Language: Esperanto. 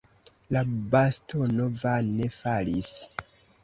La bastono vane falis.